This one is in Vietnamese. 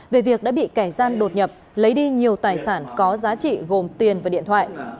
về việc đã bị kẻ gian đột nhập lấy đi nhiều tài sản có giá trị gồm tiền và điện thoại